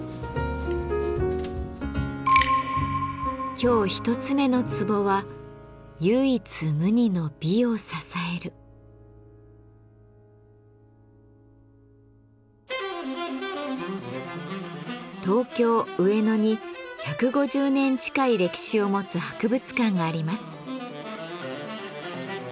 今日一つ目のツボは東京・上野に１５０年近い歴史を持つ博物館があります。